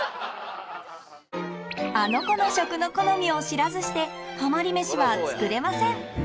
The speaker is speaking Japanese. アノ娘の食の好みを知らずしてハマり飯は作れません